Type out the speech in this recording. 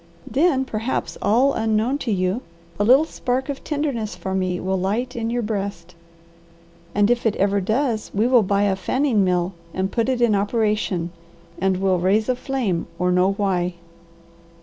Then, perhaps all unknown to you, a little spark of tenderness for me will light in your breast; and if it ever does we will buy a fanning mill and put it in operation, and we'll raise a flame or know why."